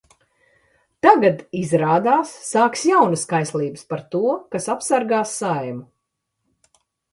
Tagad, izrādās, sākas jaunas kaislības par to, kas apsargās Saeimu.